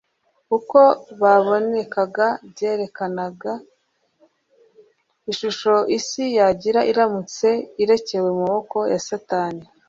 uko babonekaga byerekanaga ishusho isi yagira iramutse irekewe mu maboko ya Satani.